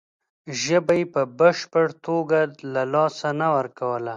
ژبه یې په بشپړه توګه له لاسه نه ورکوله.